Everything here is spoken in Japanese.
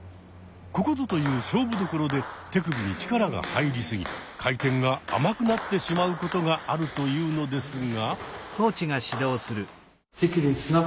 ここぞという勝負どころで手首に力が入りすぎ回転が甘くなってしまうことがあるというのですが。